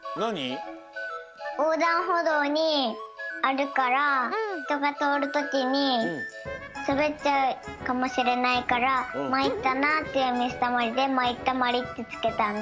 おうだんほどうにあるからひとがとおるときにすべっちゃうかもしれないから「まいったな」っていうみずたまりでまいったまりってつけたんだ。